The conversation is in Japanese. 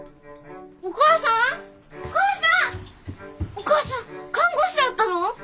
お母さん看護師だったの？